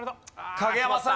影山さん